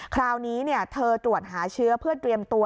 คราวนี้เธอตรวจหาเชื้อเพื่อเตรียมตัว